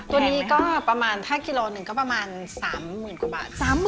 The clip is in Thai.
ตัวนี้ก็ประมาณถ้ากิโลหนึ่งก็ประมาณ๓๐๐๐กว่าบาท